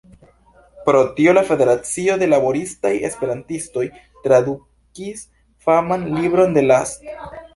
Pro tio la Federacio de Laboristaj Esperantistoj tradukis faman libron de Last.